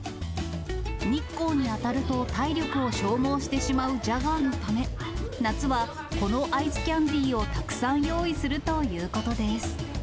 日光に当たると体力を消耗してしまうジャガーのため、夏はこのアイスキャンディーをたくさん用意するということです。